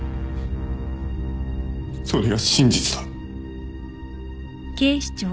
それが真実だ。